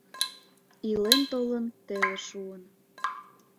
Илен-толын, теле шуын.